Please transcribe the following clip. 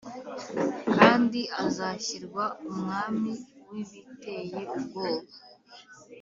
kandi azashyirwa umwami w’ibiteye ubwoba